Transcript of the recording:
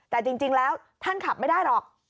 แต่จริงแล้วท่านขับไม่ได้หรอก